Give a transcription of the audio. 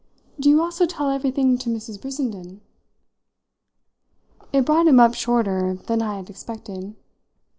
"Do you also tell everything to Mrs. Brissenden?" It brought him up shorter than I had expected.